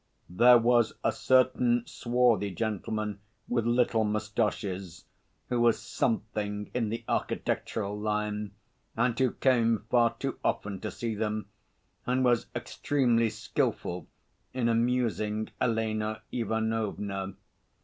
There was a certain swarthy gentleman with little moustaches who was something in the architectural line, and who came far too often to see them, and was extremely skilful in amusing Elena Ivanovna.